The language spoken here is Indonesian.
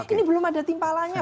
ini belum ada timpalanya